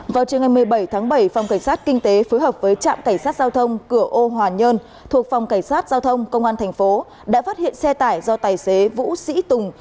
vào trường ngày một mươi bảy tháng bảy phòng cảnh sát kinh tế phối hợp với trạm cảnh sát giao thông cửa ô hòa nhơn thuộc phòng cảnh sát giao thông công an thành phố đã phát hiện xe tải do tài xế vũ sĩ tùng